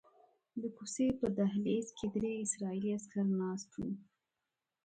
د کوڅې په دهلیز کې درې اسرائیلي عسکر ناست وو.